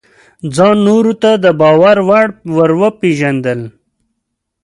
ځان نورو ته د باور وړ ورپېژندل: